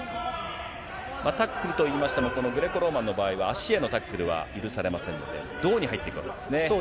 タックルといいましても、グレコローマンの場合は、足へのタックルは許されませんので、胴に入っていくわけですね。